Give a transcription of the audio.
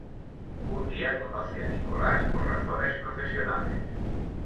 Un día conoce a Nicolás por razones profesionales.